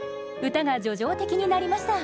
歌が叙情的になりました